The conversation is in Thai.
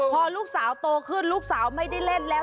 พอลูกสาวโตขึ้นลูกสาวไม่ได้เล่นแล้ว